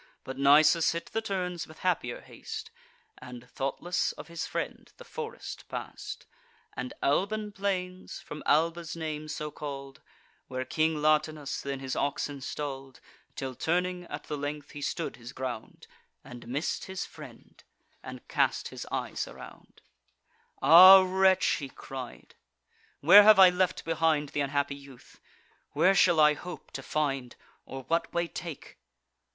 But Nisus hit the turns with happier haste, And, thoughtless of his friend, the forest pass'd, And Alban plains, from Alba's name so call'd, Where King Latinus then his oxen stall'd; Till, turning at the length, he stood his ground, And miss'd his friend, and cast his eyes around: "Ah wretch!" he cried, "where have I left behind Th' unhappy youth? where shall I hope to find? Or what way take?"